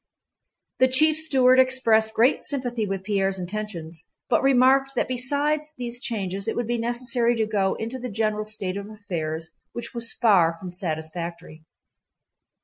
The chief steward expressed great sympathy with Pierre's intentions, but remarked that besides these changes it would be necessary to go into the general state of affairs which was far from satisfactory.